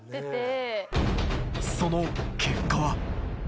その結果は？